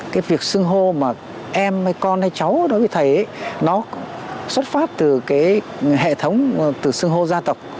cái việc sưng hô mà em hay con hay cháu đối với thầy nó xuất phát từ cái hệ thống từ sưng hô gia tộc